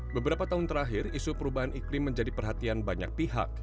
beberapa tahun terakhir isu perubahan iklim menjadi perhatian banyak pihak